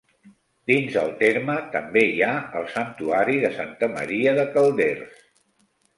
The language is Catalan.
Dins el terme també hi ha el santuari de Santa Maria de Calders.